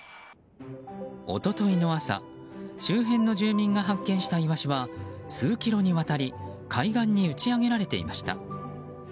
一昨日の朝周辺の住民が発見したイワシは数キロにわたり海岸に打ち揚げられていました。